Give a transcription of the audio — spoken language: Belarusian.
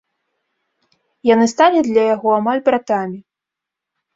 Яны сталі для яго амаль братамі.